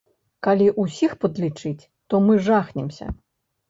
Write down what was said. Калі ўсіх падлічыць, то мы жахнемся.